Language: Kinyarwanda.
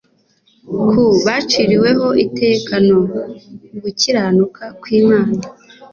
ku baciriweho iteka no gukiranuka kw'Imana